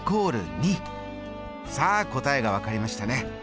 さあ答えが分かりましたね。